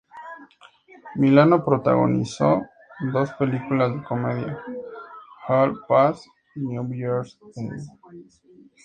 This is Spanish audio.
Milano protagonizó dos películas de comedia "Hall Pass" y "New Year's Eve".